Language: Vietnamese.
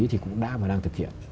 thì cũng đã và đang thực hiện